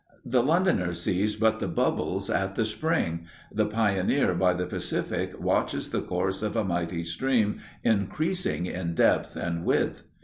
The Londoner sees but the bubbles at the spring the pioneer by the Pacific watches the course of a mighty stream increasing in depth and width.